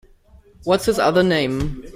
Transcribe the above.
What’s his other name?